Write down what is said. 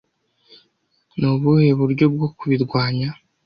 Ni ubuhe buryo bwo kubirwanya